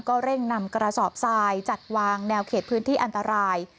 เร่งนำกระสอบทรายจัดวางแนวเขตพื้นที่อันตราย